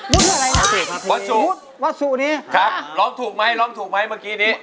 วุฒิอะไรนะครับวัสสุนี้ครับร้องถูกไหมเมื่อกี้นี้